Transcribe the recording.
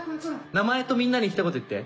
名前とみんなに一言言って。